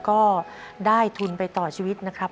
ก็ได้ทุนไปต่อชีวิตนะครับ